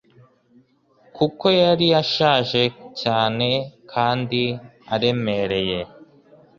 kuko yari ashaje cyane kandi aremereye